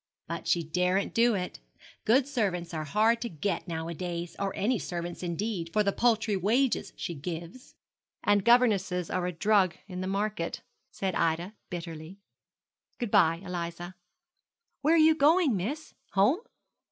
But she daren't do it. Good servants are hard to get nowadays; or any servants, indeed, for the paltry wages she gives.' 'And governesses are a drug in the market,' said Ida, bitterly. 'Good bye, Eliza.' 'Where are you going, miss? Home?'